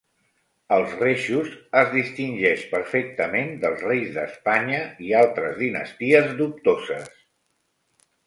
"Els Reixos" es distingeix perfectament dels Reis d'Espanya i altres dinasties dubtoses.